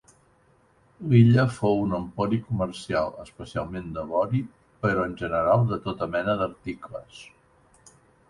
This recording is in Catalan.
L'illa fou un empori comercial, especialment de vori, però en general de tota mena d'articles.